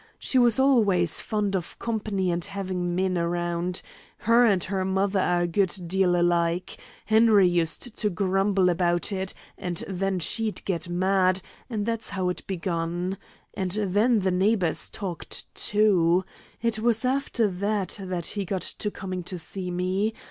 She was always fond of company and having men around. Her and her mother are a good deal alike. Henry used to grumble about it, and then she'd get mad, and that's how it begun. And then the neighbors talked too. It was after that that he got to coming to see me.